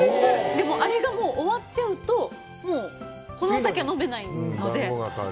でもあれが終わっちゃうと、このお酒は飲めないんで。